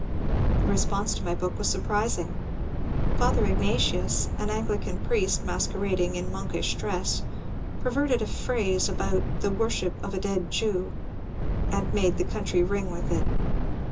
The response to my book was surprising. ^^ Father Igna tius," an AngUcan priest masquerading in monkish dress, perverted a phrase about the worship of a dead Jew " and made the country ring with it.